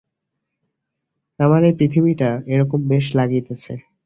আমার এই পৃথিবীটা একরকম বেশ লাগিতেছে।